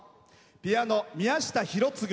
ピアノ、宮下博次。